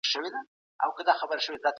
تعليم د شعور د پيدا کولو لاره ده.